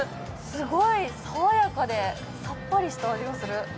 すごい爽やかでさっぱりした味がする。